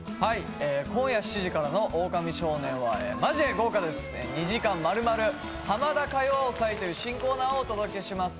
今夜７時からの「オオカミ少年」はまじで豪華です、２時間丸々「ハマダ歌謡祭」という新コーナーをお送りします。